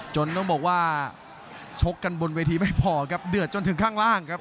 ต้องบอกว่าชกกันบนเวทีไม่พอครับเดือดจนถึงข้างล่างครับ